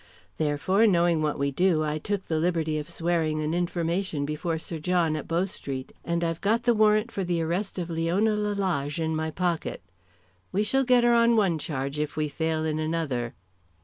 Therefore, knowing what we do I took the liberty of swearing an information before Sir John at Bow Street, and I've got the warrant for the arrest of Leona Lalage in my pocket. We shall get her on one charge if we fail in another."